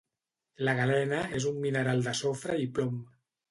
La galena és un mineral de sofre i plom.